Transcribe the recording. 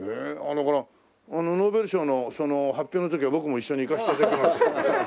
だからノーベル賞のその発表の時は僕も一緒に行かせて頂きます。